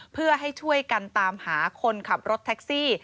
เพื่อให้ช่วยกันตามหาคนขับรถแท็กซี่